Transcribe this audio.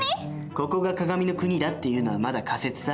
ここが鏡の国だっていうのはまだ仮説さ。